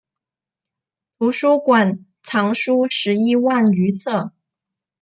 图书馆藏书十一万余册。